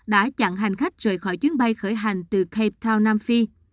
đã chặn hành khách rời khỏi chuyến bay khởi hành từ cape town nam phi